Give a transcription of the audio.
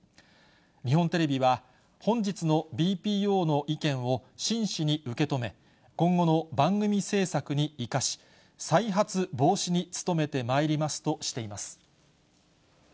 日本テレビは、本日のＢＰＯの意見を真摯に受け止め、今後の番組制作に生かし、再発防止に努めてまいりますとしています。